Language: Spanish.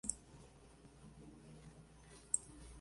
Las dos márgenes del río están cubiertas de espeso monte nativo.